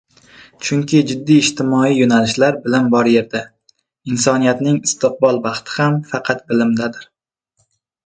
chunki jiddiy ijtimoiy yo‘nalishlar — bilim bor yerda, insoniyatning istiqbol baxti ham faqat bilimdadir.